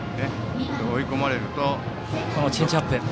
追い込まれるとチェンジアップ。